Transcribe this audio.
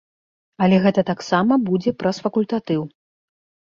Але гэта таксама будзе праз факультатыў.